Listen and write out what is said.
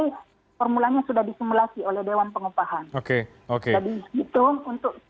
oke ini sangat mudah karena sebelum dituangkan di dalam perusahaan ini tidak bisa dituangkan